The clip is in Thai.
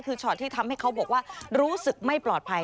คือช็อตที่ทำให้เขาบอกว่ารู้สึกไม่ปลอดภัย